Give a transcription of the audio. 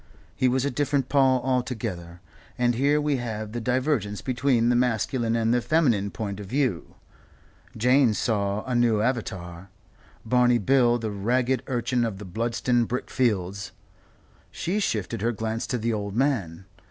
He was a different Paul altogether. And here we have the divergence between the masculine and the feminine point of view. Jane saw a new avatar; Barney Bill the ragged urchin of the Bludston brick fields. She shifted her glance to the old man.